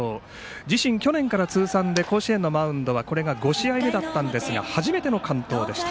自身、去年から通算で甲子園のマウンドはこれが５試合目だったんですが初めての完投でした。